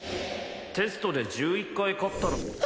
テストで１１回勝ったら。